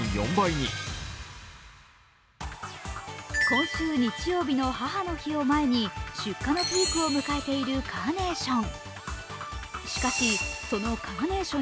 今週日曜日の母の日を前に出荷のピークを迎えているカーネーション。